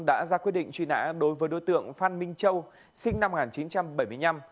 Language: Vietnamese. đã ra quyết định truy nã đối với đối tượng phan minh châu sinh năm một nghìn chín trăm bảy mươi năm